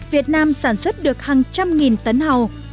việt nam sản xuất được hàng trăm nghìn tấn hầu